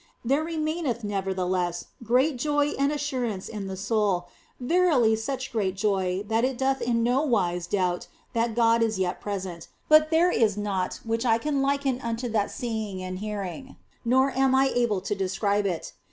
There re maineth, nevertheless, great joy and assurance in the soul, verily such great joy that it doth in no wise doubt that God is yet present, but there is naught which I can liken unto that seeing and hearing, nor am I able to describe it.